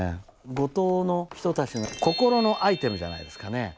五島の人たちの心のアイテムじゃないですかね。